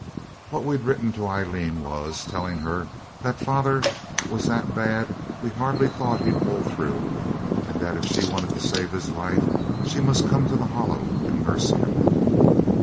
What we'd written to Aileen was telling her that father was that bad we hardly thought he'd pull through, and that if she wanted to save his life she must come to the Hollow and nurse him.